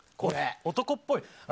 男っぽい。